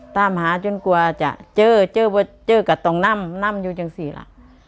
ตามหาจนกว่าจะเจอเจอกับต้องนำนำอยู่จังสิล่ะ